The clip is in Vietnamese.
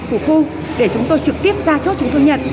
của khu để chúng tôi trực tiếp ra chốt chúng tôi nhận